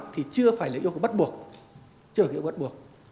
thì chưa phải là yêu cầu bắt buộc chưa phải là yêu cầu bắt buộc